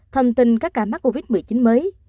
thông tin các ca mắc covid một mươi chín mới